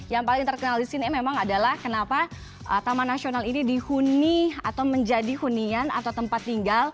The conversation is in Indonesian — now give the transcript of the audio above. yang paling terkenal di sini memang adalah kenapa taman nasional ini dihuni atau menjadi hunian atau tempat tinggal